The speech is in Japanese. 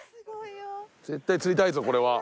絶対釣りたいぞこれは。